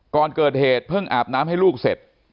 ก่อนเกิดเหตุเพิ่งอาบน้ำให้ลูกเสร็จ